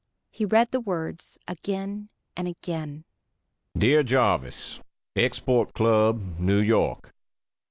He read the words again and again. "DEAR JARVIS; export Club, new York.